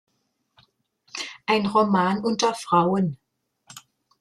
Ein Roman unter Frauen.